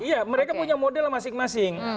iya mereka punya model masing masing